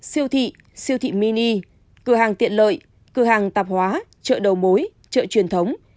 siêu thị siêu thị mini cửa hàng tiện lợi cửa hàng tạp hóa chợ đầu mối chợ truyền thống